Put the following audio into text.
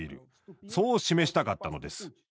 そう示したかったのです。